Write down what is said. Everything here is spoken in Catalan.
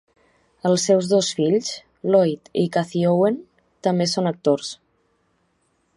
Els seus dos fills, Lloyd i Cathy Owen, també són actors.